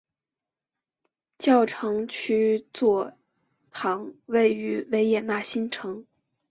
教长区座堂位于维也纳新城。